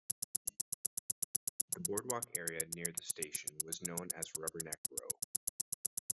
The boardwalk area near the station was known as Rubberneck Row.